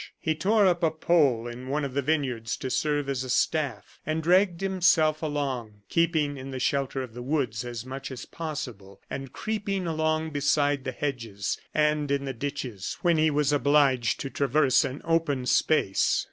He tore up a pole in one of the vineyards to serve as a staff, and dragged himself along, keeping in the shelter of the woods as much as possible, and creeping along beside the hedges and in the ditches when he was obliged to traverse an open space.